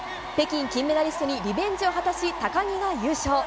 北京金メダリストにリベンジを果たし高木が優勝。